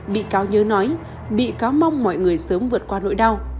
bị cáo nhớ nói bị cáo mong mọi người sớm vượt qua nỗi đau